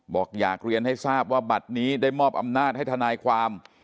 บอกอยากเรียนให้ทราบว่าบัตรนี้ได้มอบอำนาจให้ทนายความ